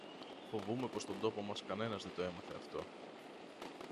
Φοβούμαι πως στον τόπο μας κανένας δεν το έμαθε αυτό.